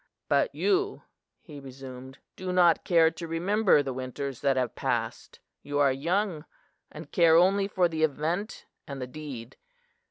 "But you," he resumed, "do not care to remember the winters that have passed. You are young, and care only for the event and the deed.